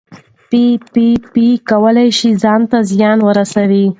پي پي پي کولی شي ځان ته زیان ورسوي.